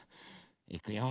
いくよ。